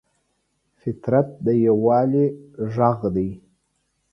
فطرت د یووالي غږ دی.